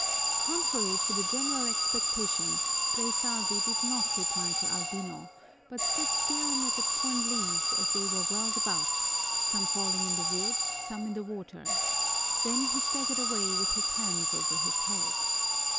Contrary to the general expectation, Fray Salvi did not reply to Albino, but stood staring at the torn leaves as they were whirled about, some falling in the wood, some in the water, then he staggered away with his hands over his head.